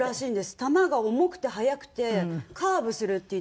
球が重くて速くてカーブするっていって。